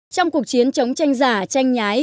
trong cuộc chiến chống tranh giả tranh nhái